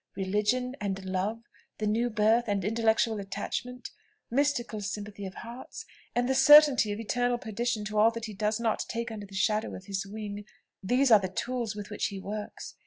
Religion and love, the new birth and intellectual attachment mystical sympathy of hearts, and the certainty of eternal perdition to all that he does not take under the shadow of his wing; these are the tools with which he works.